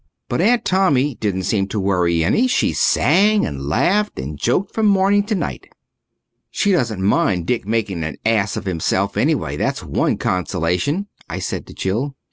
But Aunt Tommy didn't seem to worry any. She sang and laughed and joked from morning to night. "She doesn't mind Dick's making an ass of himself, anyway, that's one consolation," I said to Jill.